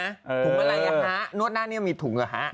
ถุงอะไรเนี่ยหน้านวดหน้าเนี่ยมีถุงเหรอ